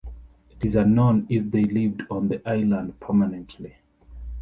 It is unknown if they lived on the island permanently.